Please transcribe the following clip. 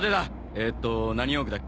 えーっと何オーグだっけ？